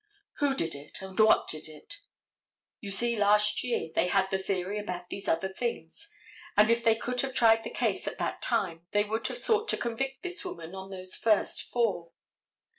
Who did it, and what did it? You see last year they had the theory about these other things, and if they could have tried the case at that time they would have sought to convict this woman on those first four.